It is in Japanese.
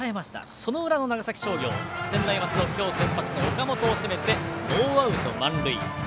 その裏の長崎商業専大松戸、今日先発の岡本を攻めノーアウト、満塁。